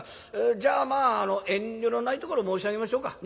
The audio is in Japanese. じゃあ遠慮のないところ申し上げましょうか。ね？